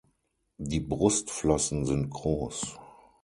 Die Brustflossen sind groß.